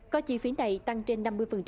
có chi phí này tăng trên năm mươi